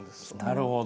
なるほど。